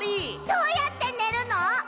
どうやってねるの？